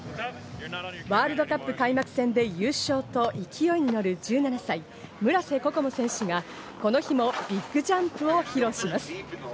Ｗ杯開幕戦で優勝と勢いに乗る１７歳、村瀬心椛選手が、この日もビッグジャンプを披露します。